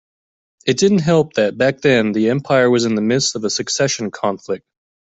It didn't help that back then the empire was in the midst of a succession conflict.